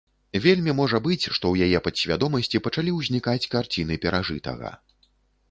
Вельмі можа быць, што ў яе падсвядомасці пачалі ўзнікаць карціны перажытага.